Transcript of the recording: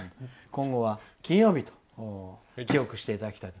今後は金曜日と記憶していただきたい。